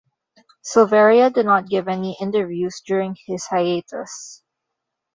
Silveria did not give any interviews during his hiatus.